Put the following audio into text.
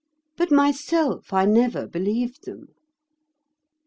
But myself I never believed them.